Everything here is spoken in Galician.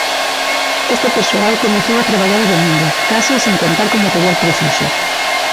Este persoal comezou a traballar o domingo, case sen contar co material preciso.